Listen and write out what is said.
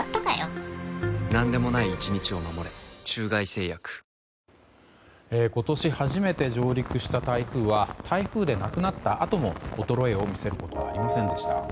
サントリー今年初めて上陸した台風は台風でなくなったあとも衰えを見せることはありませんでした。